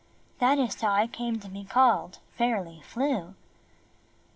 ' That is how I came to, be called Fairly Flew."